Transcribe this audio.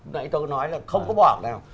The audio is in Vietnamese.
nãy tôi nói là không có bỏ ở đâu